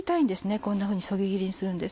こんなふうにそぎ切りにするんです。